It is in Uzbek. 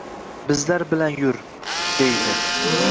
Bizlar bilan yur», deydi